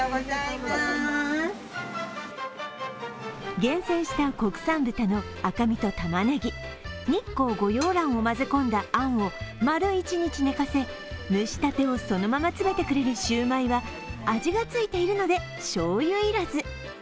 厳選した国産豚の赤身とたまねぎ、日光御ようらんを混ぜ込んだあんを蒸したてをそのまま詰めてくれるシューマイは味がついているのでしょうゆ要らず。